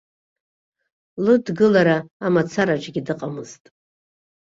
Лыдгылара амацараҿгьы дыҟамызт.